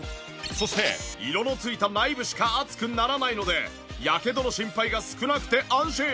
そして色の付いた内部しか熱くならないのでヤケドの心配が少なくて安心。